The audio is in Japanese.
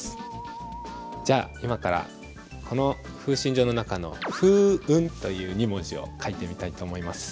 じゃあ今からこの「風信帖」の中の「風雲」という２文字を書いてみたいと思います。